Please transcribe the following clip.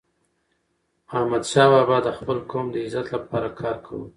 احمدشاه بابا د خپل قوم د عزت لپاره کار کاوه.